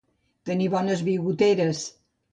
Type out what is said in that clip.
Tenir bones bigoteres.